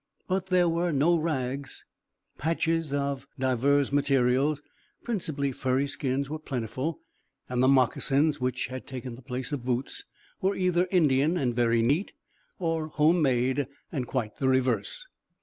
But there were no rags. Patches of divers materials, principally furry skins, were plentiful, and the moccasins which had taken the place of boots were either Indian and very neat, or home made and quite the reverse.